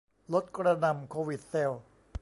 ลดกระหน่ำโควิดเซลส์